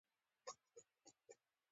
صدارت ترلاسه کړ.